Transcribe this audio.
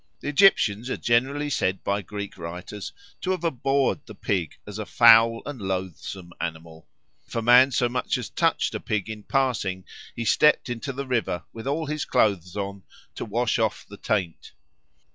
The Egyptians are generally said by Greek writers to have abhorred the pig as a foul and loathsome animal. If a man so much as touched a pig in passing, he stepped into the river with all his clothes on, to wash off the taint.